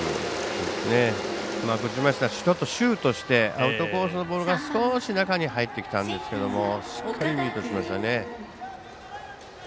シュートしてアウトコースのボールが少し中に入ってきたんですけれどもしっかりミートしましたね。